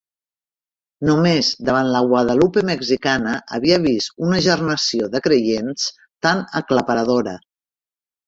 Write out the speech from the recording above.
Només davant la Guadalupe mexicana havia vist una gernació de creients tan aclaparadora.